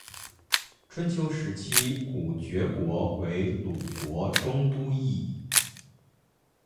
春秋时期古厥国为鲁国中都邑。